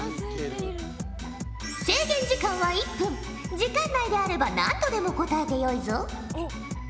時間内であれば何度でも答えてよいぞ。